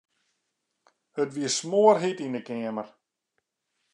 It wie smoarhjit yn 'e keamer.